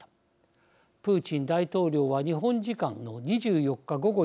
プーチン大統領は日本時間の２４日午後４時。